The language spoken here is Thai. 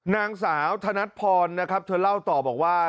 นางสาวธนัดพรนะครับเธอเล่าต่อบอกว่า